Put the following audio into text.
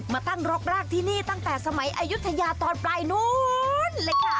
มาตั้งรกรากที่นี่ตั้งแต่สมัยอายุทยาตอนปลายนู้นเลยค่ะ